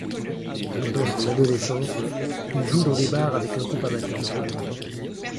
Pendant son adolescence, il joue dans des bars avec un groupe amateur.